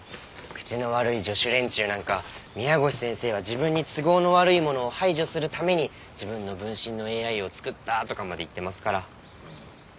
口の悪い助手連中なんか宮越先生は自分に都合の悪いものを排除するために自分の分身のＡＩを作ったとかまで言ってますから。